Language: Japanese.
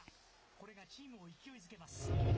これがチームを勢いづけます。